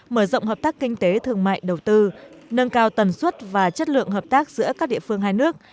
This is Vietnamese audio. mở rộng hợp tác kinh tế thương mại đầu tư nâng cao tần suất và chất lượng hợp tác giữa các địa phương hai nước